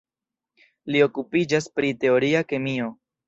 Li okupiĝas pri teoria kemio.